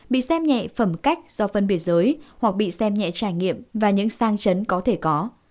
bị xem nhẹ phẩm cách do phân biệt giới hoặc bị xem nhẹ trải nghiệm và những sang chấn có thể có